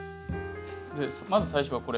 まず最初はこれ。